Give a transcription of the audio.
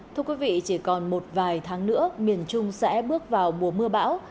thưa quý vị chỉ còn một vài tháng nữa miền trung sẽ bước vào mùa mưa bão